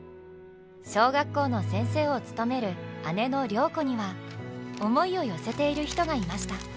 小学校の先生を務める姉の良子には思いを寄せている人がいました。